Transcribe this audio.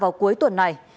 vào cuối tuần này